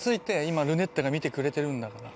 今ルネッタが見てくれてるんだから。